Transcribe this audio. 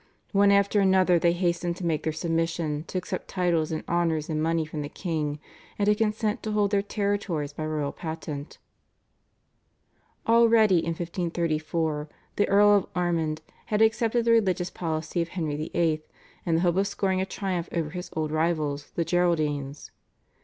One after another they hastened to make their submission, to accept titles and honours and money from the king, and to consent to hold their territories by royal patent. Already in 1534 the Earl of Ormond had accepted the religious policy of Henry VIII. in the hope of scoring a triumph over his old rivals, the Geraldines.